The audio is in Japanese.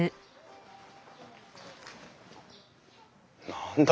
何だ？